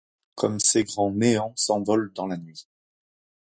Comme ces grands néants s'envolent dans la nuit !